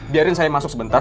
biarin saya masuk sebentar